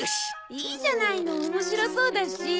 いいじゃないの面白そうだし。